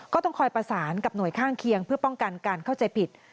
ก็ต้องคอยประสานกับหน่วยข้างเคียงเพื่อป้องกันการเข้าใจผิด